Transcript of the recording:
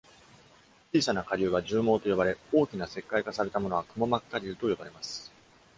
小さな顆粒は「絨毛」と呼ばれ、大きな石灰化されたものは「くも膜顆粒」と呼ばれます。